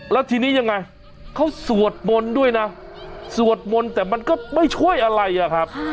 แล้วทีนี้ยังไงเขาสวดมนต์ด้วยนะสวดมนต์แต่มันก็ไม่ช่วยอะไรอะครับ